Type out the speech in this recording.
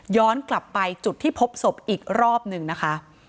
กลับไปจุดที่พบศพอีกรอบหนึ่งนะคะ